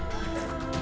bersama dengan bnp dua